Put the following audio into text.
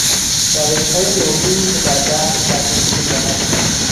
روشهای نوینی که در وقت صرفهجویی خواهد کرد